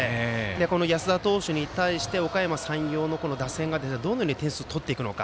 安田投手に対しておかやま山陽の打線がどのように点数を取っていくのか。